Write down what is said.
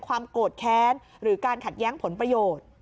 ความโกรธแค้นหรือการขัดแย้งผลประโยชน์